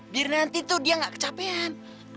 biar nanti tuh dia gak kecapean